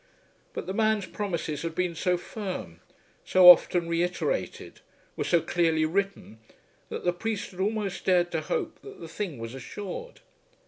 But the man's promises had been so firm, so often reiterated, were so clearly written, that the priest had almost dared to hope that the thing was assured.